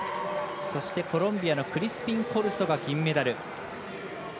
そして、コロンビアのクリスピンコルソが銀メダル。